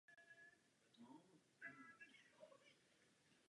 Nyní pár slov o finančních trzích.